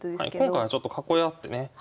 今回はちょっと囲い合ってね